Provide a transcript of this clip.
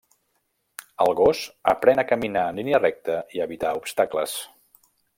El gos aprèn a caminar en línia recta i evitar obstacles.